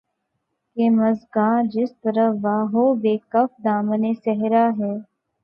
کہ مژگاں جس طرف وا ہو‘ بہ کف دامانِ صحرا ہے